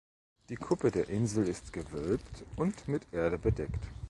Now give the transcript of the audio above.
Die Kuppe der Insel ist gewölbt und mit Erde bedeckt.